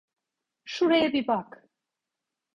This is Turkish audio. Şuraya bir bak.